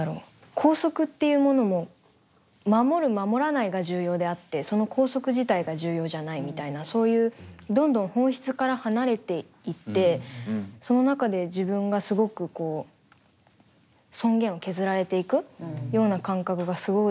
校則っていうものも守る守らないが重要であってその校則自体が重要じゃないみたいなそういうどんどん本質から離れていってその中で自分がすごくこう尊厳を削られていくような感覚がすごいしんどくて。